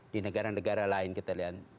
di negara negara lain kita lihat